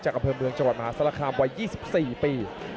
จากกระเภอเมืองจังหวัดม้าสาระคามวัย๒๔ปี